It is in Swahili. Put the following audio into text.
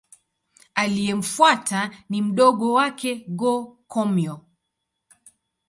Aliyemfuata ni mdogo wake Go-Komyo.